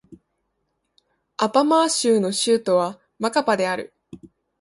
アマパー州の州都はマカパである